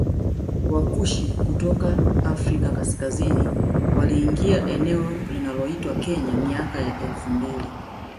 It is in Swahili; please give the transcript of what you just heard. Wakushi kutoka Afrika kaskazini waliingia eneo linaloitwa Kenya miaka ya elfu mbili